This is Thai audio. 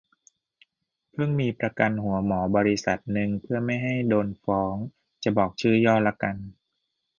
เพิ่งมีประกันหัวหมอบริษัทนึง เพื่อไม่ให้โดนฟ้องจะบอกชื่อย่อละกัน